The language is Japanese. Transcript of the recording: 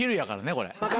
これ。